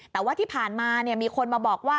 แต่ว่าที่ผ่านมามีคนมาบอกว่า